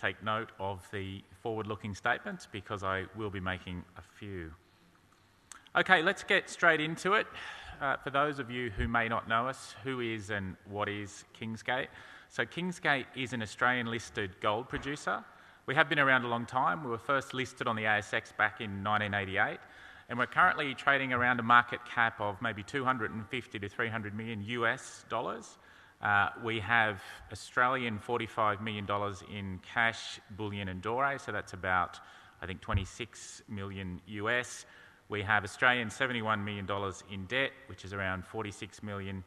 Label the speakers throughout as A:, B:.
A: Take note of the forward-looking statements because I will be making a few. Okay, let's get straight into it. For those of you who may not know us, who is and what is Kingsgate? So, Kingsgate is an Australian-listed gold producer. We have been around a long time. We were first listed on the ASX back in 1988, and we're currently trading around a market cap of maybe $250 million-$300 million. We have 45 million Australian dollars in cash, bullion, and doré, so that's about, I think, $26 million. We have 71 million Australian dollars in debt, which is around $46 million.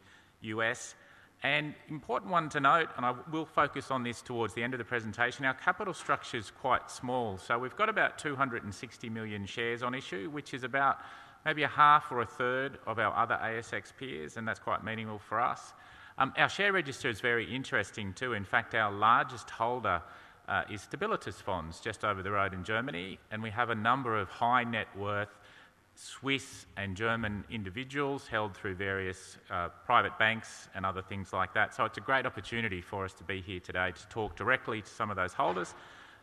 A: And an important one to note, and I will focus on this towards the end of the presentation, our capital structure is quite small. We've got about 260 million shares on issue, which is about maybe a half or a third of our other ASX peers, and that's quite meaningful for us. Our share register is very interesting too. In fact, our largest holder is Stabilitas Funds just over the road in Germany, and we have a number of high-net-worth Swiss and German individuals held through various private banks and other things like that. It's a great opportunity for us to be here today to talk directly to some of those holders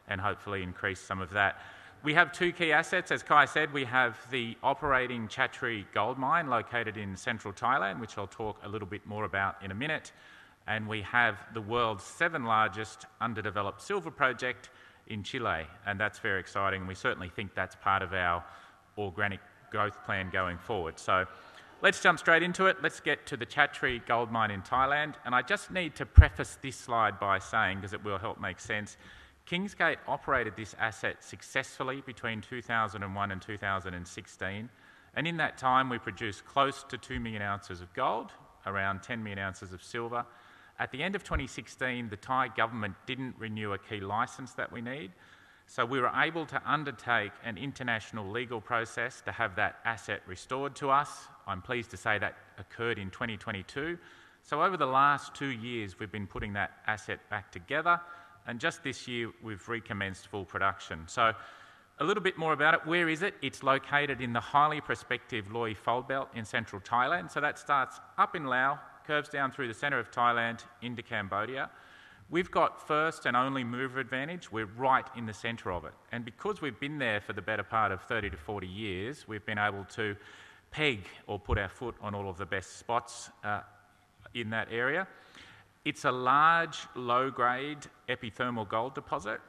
A: and hopefully increase some of that. We have two key assets. As Kai said, we have the operating Chatree Gold Mine located in central Thailand, which I'll talk a little bit more about in a minute, and we have the world's seven-largest underdeveloped silver project in Chile, and that's very exciting. We certainly think that's part of our organic growth plan going forward. So, let's jump straight into it. Let's get to the Chatree Gold Mine in Thailand, and I just need to preface this slide by saying, because it will help make sense, Kingsgate operated this asset successfully between 2001 and 2016, and in that time we produced close to two million ounces of gold, around 10 million ounces of silver. At the end of 2016, the Thai government didn't renew a key license that we need, so we were able to undertake an international legal process to have that asset restored to us. I'm pleased to say that occurred in 2022. So, over the last two years, we've been putting that asset back together, and just this year we've recommenced full production. So, a little bit more about it. Where is it? It's located in the highly prospective Loei Fold Belt in central Thailand. So, that starts up in Laos, curves down through the center of Thailand into Cambodia. We've got first and only mover advantage. We're right in the center of it, and because we've been there for the better part of 30-40 years, we've been able to peg or put our foot on all of the best spots in that area. It's a large, low-grade epithermal gold deposit,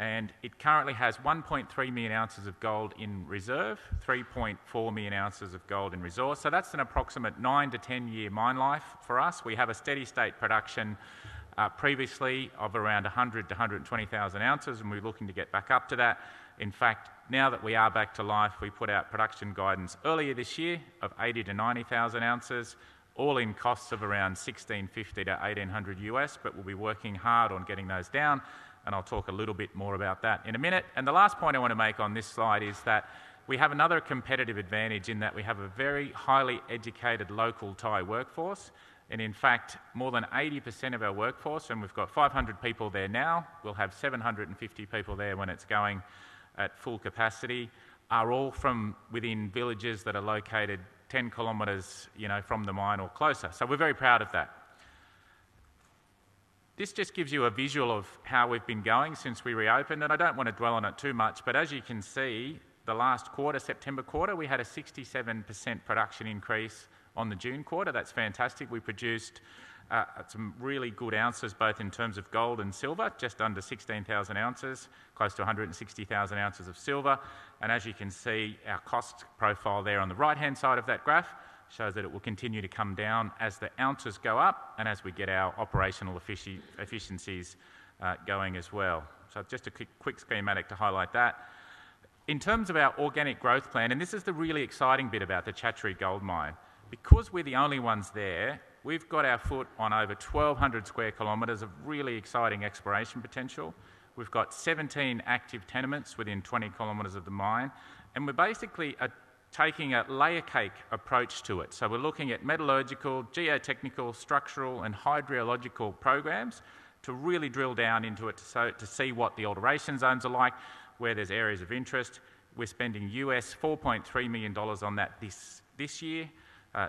A: and it currently has 1.3 million ounces of gold in reserve, 3.4 million ounces of gold in reserve. So, that's an approximate 9-10-year mine life for us. We have a steady-state production previously of around 100-120,000 ounces, and we're looking to get back up to that. In fact, now that we are back to life, we put out production guidance earlier this year of 80,000-90,000 ounces, all in costs of around $1,650-$1,800, but we'll be working hard on getting those down, and I'll talk a little bit more about that in a minute. And the last point I want to make on this slide is that we have another competitive advantage in that we have a very highly educated local Thai workforce, and in fact, more than 80% of our workforce, and we've got 500 people there now, we'll have 750 people there when it's going at full capacity, are all from within villages that are located 10 km, you know, from the mine or closer. So, we're very proud of that. This just gives you a visual of how we've been going since we reopened, and I don't want to dwell on it too much, but as you can see, the last quarter, September quarter, we had a 67% production increase on the June quarter. That's fantastic. We produced some really good ounces, both in terms of gold and silver, just under 16,000 ounces, close to 160,000 ounces of silver, and as you can see, our cost profile there on the right-hand side of that graph shows that it will continue to come down as the ounces go up and as we get our operational efficiencies going as well. So, just a quick schematic to highlight that. In terms of our organic growth plan, and this is the really exciting bit about the Chatree Gold Mine, because we're the only ones there, we've got our foot on over 1,200 sq km of really exciting exploration potential. We've got 17 active tenements within 20 km of the mine, and we're basically taking a layer-cake approach to it. So, we're looking at metallurgical, geotechnical, structural, and hydrological programs to really drill down into it to see what the alteration zones are like, where there's areas of interest. We're spending $4.3 million on that this year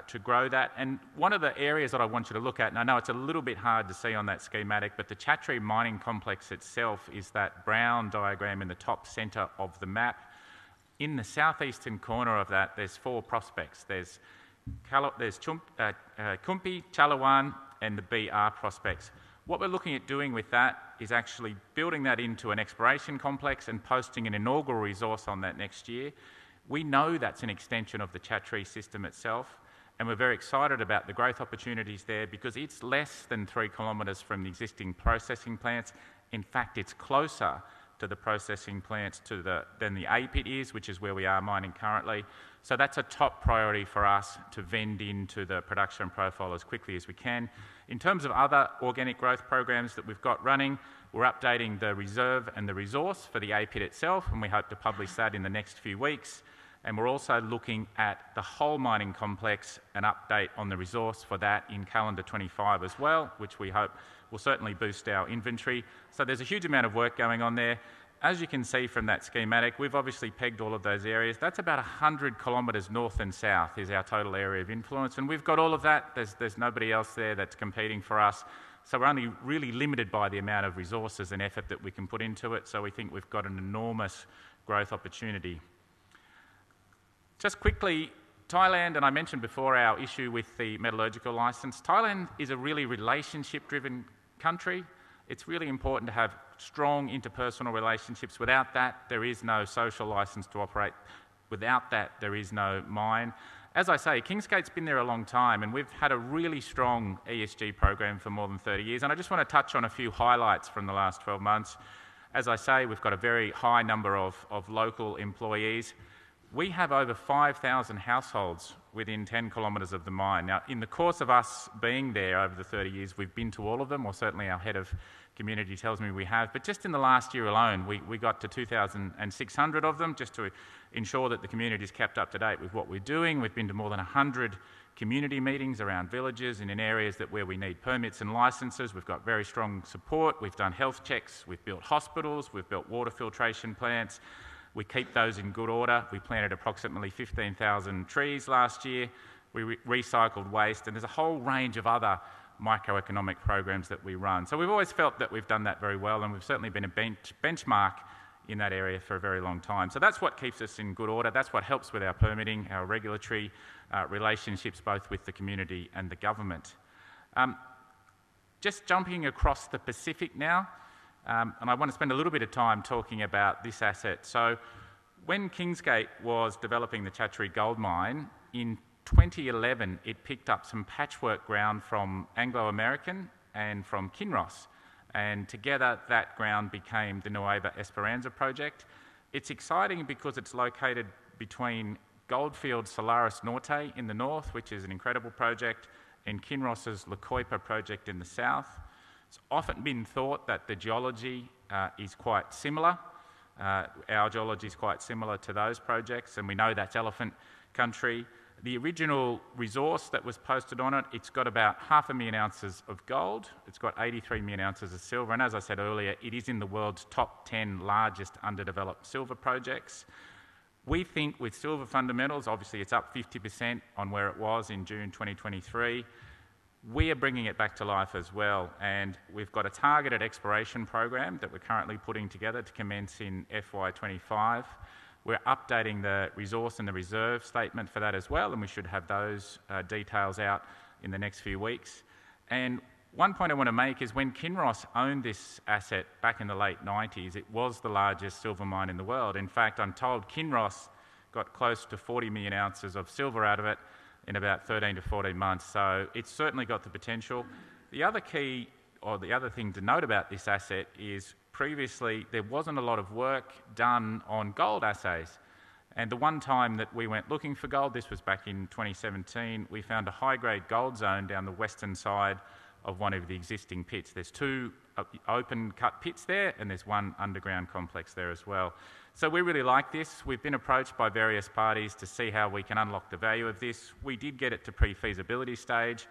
A: to grow that. And one of the areas that I want you to look at, and I know it's a little bit hard to see on that schematic, but the Chatree Mining Complex itself is that brown diagram in the top center of the map. In the southeastern corner of that, there are four prospects. There are Kumpee, Chalawan, and the BR prospects. What we're looking at doing with that is actually building that into an exploration complex and posting an inaugural resource on that next year. We know that's an extension of the Chatree system itself, and we're very excited about the growth opportunities there because it's less than three kilometers from the existing processing plants. In fact, it's closer to the processing plants than the A Pit is, which is where we are mining currently. So, that's a top priority for us to vend into the production profile as quickly as we can. In terms of other organic growth programs that we've got running, we're updating the reserve and the resource for the A Pit itself, and we hope to publish that in the next few weeks. And we're also looking at the whole mining complex and update on the resource for that in calendar 2025 as well, which we hope will certainly boost our inventory. So, there's a huge amount of work going on there. As you can see from that schematic, we've obviously pegged all of those areas. That's about 100 km north and south is our total area of influence, and we've got all of that. There's nobody else there that's competing for us. So, we're only really limited by the amount of resources and effort that we can put into it. So, we think we've got an enormous growth opportunity. Just quickly, Thailand, and I mentioned before our issue with the metallurgical license. Thailand is a really relationship-driven country. It's really important to have strong interpersonal relationships. Without that, there is no social license to operate. Without that, there is no mine. As I say, Kingsgate's been there a long time, and we've had a really strong ESG program for more than 30 years, and I just want to touch on a few highlights from the last 12 months. As I say, we've got a very high number of local employees. We have over 5,000 households within 10 km of the mine. Now, in the course of us being there over the 30 years, we've been to all of them, well, certainly our head of community tells me we have, but just in the last year alone, we got to 2,600 of them just to ensure that the community's kept up to date with what we're doing. We've been to more than 100 community meetings around villages and in areas where we need permits and licenses. We've got very strong support. We've done health checks. We've built hospitals. We've built water filtration plants. We keep those in good order. We planted approximately 15,000 trees last year. We recycled waste, and there's a whole range of other microeconomic programs that we run. So, we've always felt that we've done that very well, and we've certainly been a benchmark in that area for a very long time. So, that's what keeps us in good order. That's what helps with our permitting, our regulatory relationships, both with the community and the government. Just jumping across the Pacific now, and I want to spend a little bit of time talking about this asset. So, when Kingsgate was developing the Chatree Gold Mine, in 2011, it picked up some patchwork ground from Anglo American and from Kinross, and together that ground became the Nueva Esperanza project. It's exciting because it's located between Gold Fields' Salares Norte in the north, which is an incredible project, and Kinross' La Coipa project in the south. It's often been thought that the geology is quite similar. Our geology is quite similar to those projects, and we know that's elephant country. The original resource that was posted on it, it's got about 500,000 ounces of gold. It's got 83 million ounces of silver, and as I said earlier, it is in the world's top 10 largest underdeveloped silver projects. We think with silver fundamentals, obviously it's up 50% on where it was in June 2023, we are bringing it back to life as well, and we've got a targeted exploration program that we're currently putting together to commence in FY 2025. We're updating the resource and the reserve statement for that as well, and we should have those details out in the next few weeks, and one point I want to make is when Kinross owned this asset back in the late 1990s, it was the largest silver mine in the world. In fact, I'm told Kinross got close to 40 million ounces of silver out of it in about 13 to 14 months, so it's certainly got the potential. The other key, or the other thing to note about this asset is previously there wasn't a lot of work done on gold assays, and the one time that we went looking for gold, this was back in 2017, we found a high-grade gold zone down the western side of one of the existing pits. There's two open-cut pits there, and there's one underground complex there as well. We really like this. We've been approached by various parties to see how we can unlock the value of this. We did get it to pre-feasibility stage.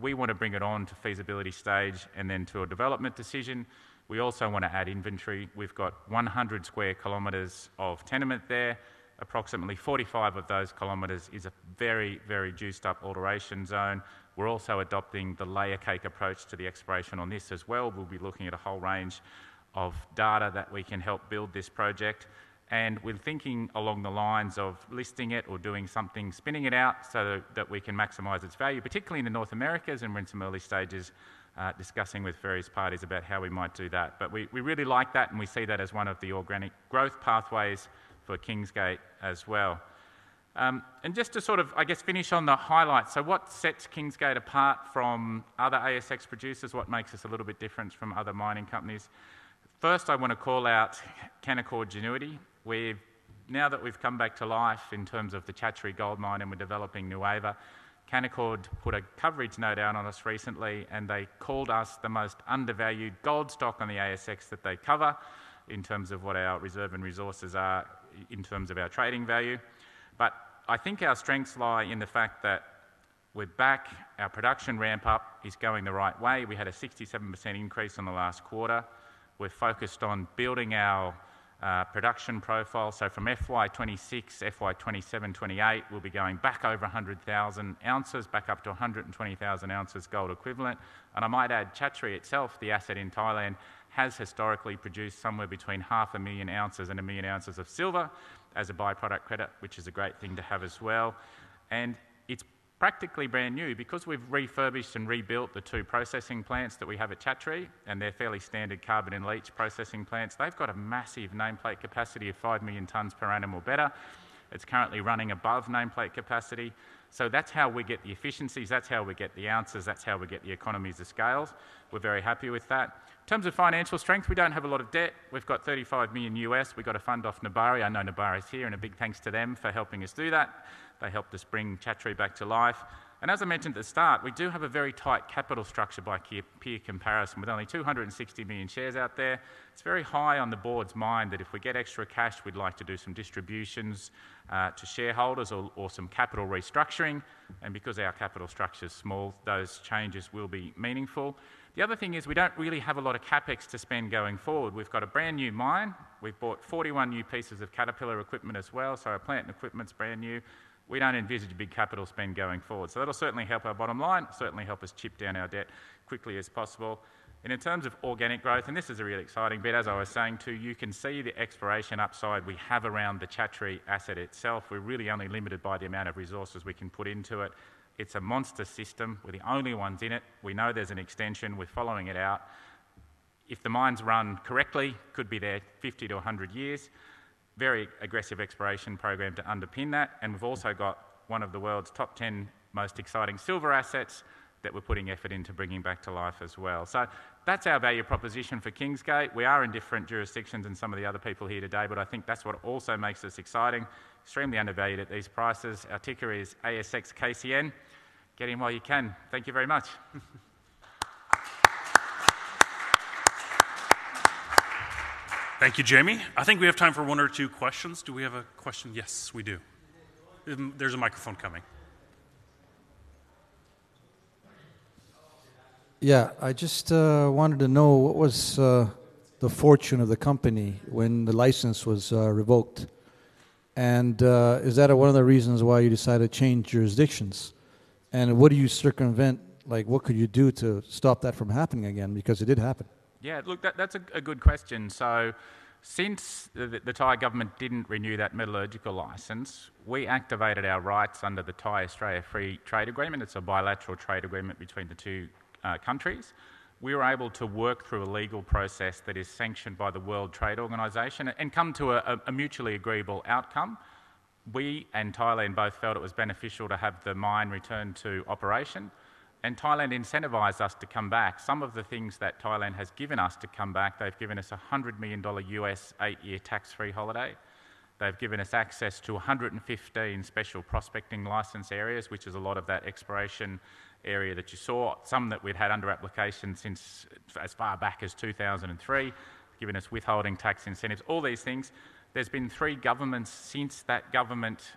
A: We want to bring it on to feasibility stage and then to a development decision. We also want to add inventory. We've got 100 sq km of tenement there. Approximately 45 of those kilometers is a very, very juiced-up alteration zone. We're also adopting the layer-cake approach to the exploration on this as well. We'll be looking at a whole range of data that we can help build this project, and we're thinking along the lines of listing it or doing something, spinning it out so that we can maximize its value, particularly in North America, and we're in some early stages discussing with various parties about how we might do that. But we really like that, and we see that as one of the organic growth pathways for Kingsgate as well. And just to sort of, I guess, finish on the highlights, so what sets Kingsgate apart from other ASX producers, what makes us a little bit different from other mining companies? First, I want to call out Canaccord Genuity. Now that we've come back to life in terms of the Chatree Gold Mine and we're developing Nueva, Canaccord put a coverage note out on us recently, and they called us the most undervalued gold stock on the ASX that they cover in terms of what our reserve and resources are in terms of our trading value. But I think our strengths lie in the fact that we're back. Our production ramp-up is going the right way. We had a 67% increase in the last quarter. We're focused on building our production profile. So, from FY 2026, FY 2027, 2028, we'll be going back over 100,000 ounces, back up to 120,000 ounces gold equivalent. And I might add Chatree itself, the asset in Thailand, has historically produced somewhere between 500,000 ounces and 1,000,000 ounces of silver as a byproduct credit, which is a great thing to have as well. And it's practically brand new because we've refurbished and rebuilt the two processing plants that we have at Chatree, and they're fairly standard carbon-in-leach processing plants. They've got a massive nameplate capacity of 5 million tonnes per annum or better. It's currently running above nameplate capacity. So, that's how we get the efficiencies. That's how we get the ounces. That's how we get the economies of scale. We're very happy with that. In terms of financial strength, we don't have a lot of debt. We've got $35 million. We've got funding from Nebari. I know Nebari's here, and a big thanks to them for helping us do that. They helped us bring Chatree back to life, and as I mentioned at the start, we do have a very tight capital structure by peer comparison with only 260 million shares out there. It's very high on the board's mind that if we get extra cash, we'd like to do some distributions to shareholders or some capital restructuring. And because our capital structure is small, those changes will be meaningful. The other thing is we don't really have a lot of CapEx to spend going forward. We've got a brand new mine. We've bought 41 new pieces of Caterpillar equipment as well, so our plant and equipment's brand new. We don't envisage a big capital spend going forward, so that'll certainly help our bottom line, certainly help us chip down our debt as quickly as possible. In terms of organic growth, and this is a really exciting bit, as I was saying too, you can see the exploration upside we have around the Chatree asset itself. We're really only limited by the amount of resources we can put into it. It's a monster system. We're the only ones in it. We know there's an extension. We're following it out. If the mines run correctly, could be there 50-100 years. Very aggressive exploration program to underpin that. We've also got one of the world's top 10 most exciting silver assets that we're putting effort into bringing back to life as well. That's our value proposition for Kingsgate. We are in different jurisdictions than some of the other people here today, but I think that's what also makes us exciting. Extremely undervalued at these prices. Our ticker is ASX KCN. Get in while you can. Thank you very much. Thank you, Jamie. I think we have time for one or two questions. Do we have a question? Yes, we do. There's a microphone coming. Yeah, I just wanted to know what was the fortune of the company when the license was revoked? And is that one of the reasons why you decided to change jurisdictions? And what do you circumvent? Like, what could you do to stop that from happening again? Because it did happen. Yeah, look, that's a good question. So, since the Thai government didn't renew that metallurgical license, we activated our rights under the Thai-Australia Free Trade Agreement. It's a bilateral trade agreement between the two countries. We were able to work through a legal process that is sanctioned by the World Trade Organization and come to a mutually agreeable outcome. We and Thailand both felt it was beneficial to have the mine returned to operation, and Thailand incentivised us to come back. Some of the things that Thailand has given us to come back, they've given us a $100 million eight-year tax-free holiday. They've given us access to 115 Special Prospecting License areas, which is a lot of that exploration area that you saw, some that we've had under application since as far back as 2003, giving us withholding tax incentives, all these things. There's been three governments since that government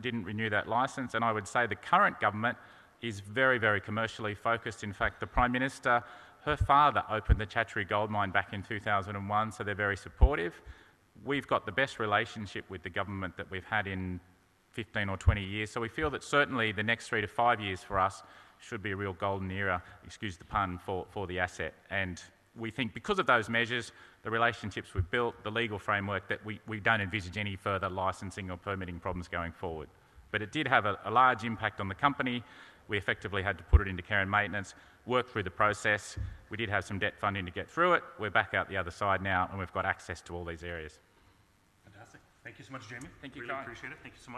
A: didn't renew that license, and I would say the current government is very, very commercially focused. In fact, the Prime Minister, her father opened the Chatree Gold Mine back in 2001, so they're very supportive. We've got the best relationship with the government that we've had in 15 or 20 years, so we feel that certainly the next three to five years for us should be a real golden era, excuse the pun, for the asset. We think because of those measures, the relationships we've built, the legal framework that we don't envisage any further licensing or permitting problems going forward. But it did have a large impact on the company. We effectively had to put it into care and maintenance, work through the process. We did have some debt funding to get through it. We're back out the other side now, and we've got access to all these areas. Fantastic. Thank you so much, Jamie. Thank you, Kai. Really appreciate it. Thanks for.